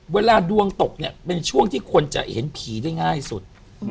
เวลาดวงตกเนี่ยเป็นช่วงที่คนจะเห็นผีได้ง่ายสุด